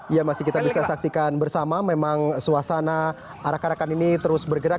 iya masih bisa kita saksikan bersama memang suasana arah karakan ini terus bergerak